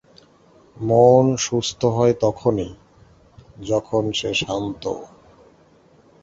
মন সুস্থ হয় তখনই, যখন সে শান্ত।